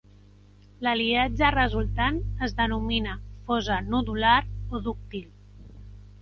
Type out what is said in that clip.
L'aliatge resultant es denomina fosa nodular o dúctil.